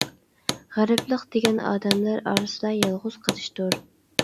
غېرىبلىق دېگەن ئادەملەر ئارىسىدا يالغۇز قېلىشتۇر.